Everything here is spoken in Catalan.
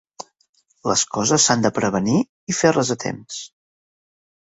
Les coses s'han de prevenir i fer-les a temps